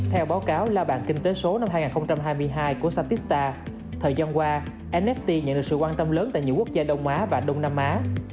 theo báo cáo lao bàn kinh tế số năm hai nghìn hai mươi hai của satista thời gian qua nft nhận được sự quan tâm lớn tại nhiều quốc gia đông á và đông nam á